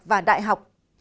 và đại học